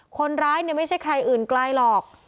คนร้ายเนี่ยไม่ใช่ใครอื่นไกลหรอก